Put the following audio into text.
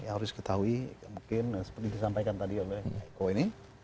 harus ketahui mungkin seperti disampaikan tadi oleh eko ini